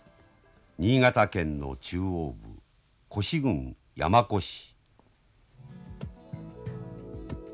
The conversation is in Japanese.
新潟県の中央部古志郡山古志。